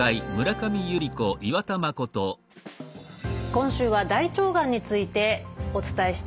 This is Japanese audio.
今週は大腸がんについてお伝えしています。